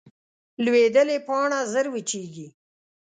لوېدلې پاڼه ژر وچېږي